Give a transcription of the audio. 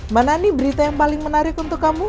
mana nih berita yang paling menarik untuk kamu